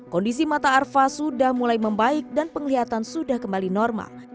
kondisi mata arfa sudah mulai membaik dan penglihatan sudah kembali normal